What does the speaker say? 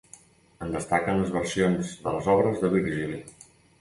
En destaquen les versions de les obres de Virgili.